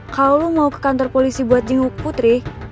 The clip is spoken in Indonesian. kalau lu mau ke kantor polisi buat jenguk putri